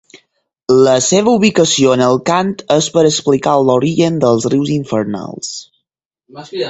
La seva ubicació en el cant és per explicar l'origen dels rius infernals.